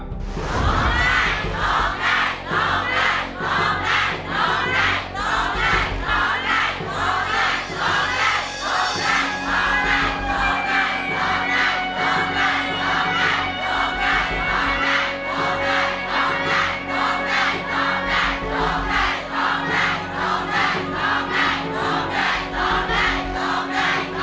ร้องได้ร้องได้ร้องได้ร้องได้